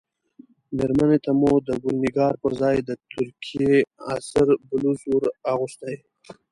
مېرمنې ته مو د ګل نګار پر ځای د ترکیې عصري بلوز ور اغوستی.